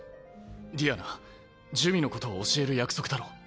ディアナ珠魅のことを教える約束だろ？